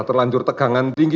terlanjur tegangan tinggi